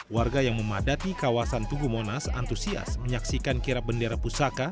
warga yang memadati kawasan tugu monas antusias menyaksikan kirap bendera pusaka